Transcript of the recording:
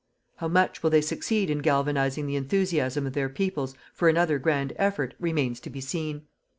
How much will they succeed in galvanizing the enthusiasm of their peoples for another grand effort, remains to be seen.